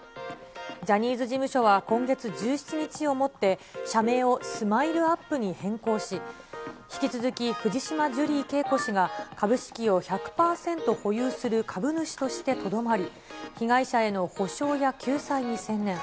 ジャニーズ事務所は今月１７日をもって社名をスマイルアップに変更し、引き続き藤島ジュリー景子氏が株式を１００％保有する株主としてとどまり、被害者への補償や救済に専念。